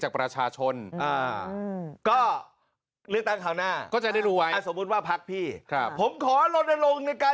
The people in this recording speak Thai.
หมอชนน่านบอกว่าเป็นการรนรงค์